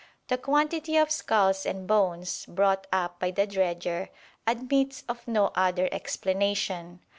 The quantity of skulls and bones brought up by the dredger admits of no other explanation.